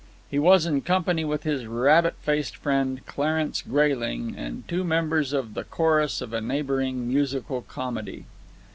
He was in company with his rabbit faced friend, Clarence Grayling, and two members of the chorus of a neighbouring musical comedy.